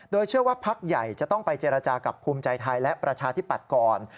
โดยเชื่อว่าพักใหญ่จะต้องไปเจรจากับภูมิใจไทยและประชาธิปัตย์ก่อน